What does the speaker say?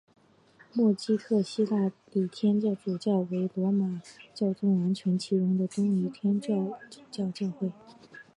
默基特希腊礼天主教会为一与罗马教宗完全共融的东仪天主教教会。